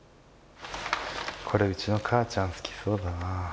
これうちの母ちゃん好きそうだな。